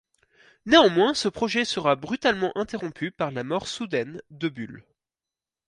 Néanmoins ce projet sera brutalement interrompu par la mort soudaine de Bull.